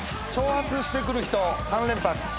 「挑発してくる人３連発」